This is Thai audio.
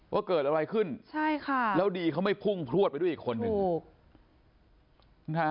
ว่าเกิดอะไรขึ้นแล้วดีเขาไม่พุ่งพลวดไปด้วยอีกคนนึง